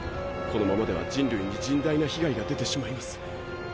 このままでは人類に甚大な被害が出てしまいます。